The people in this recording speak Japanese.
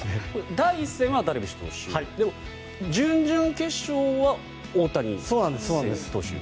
第１戦はダルビッシュ投手でも準々決勝は大谷投手？